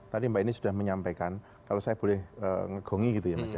tadi mbak ini sudah menyampaikan kalau saya boleh menggongi